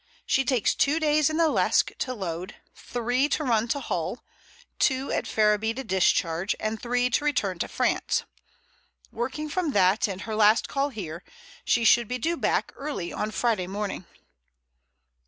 She takes two days in the Lesque to load, three to run to Hull, two at Ferriby to discharge, and three to return to France. Working from that and her last call here, she should be due back early on Friday morning."